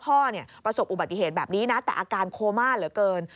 ประสบอุบัติเหตุแบบนี้นะแต่อาการโคม่าเหลือเกิน